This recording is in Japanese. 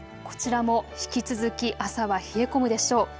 こちらも引き続き朝は冷え込むでしょう。